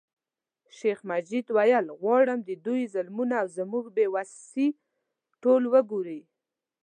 شیخ مجید ویل غواړم د دوی ظلمونه او زموږ بې وسي ټول وګوري.